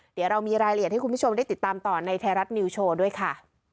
เดี๋ยวเรามีรายละเอียดให้คุณผู้ชมได้ติดตามต่อในไทยรัฐนิวโชว์ด้วยค่ะ